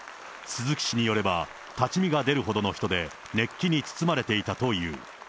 鈴木氏によれば、立ち見が出るほどの人で、熱気に包まれていたという。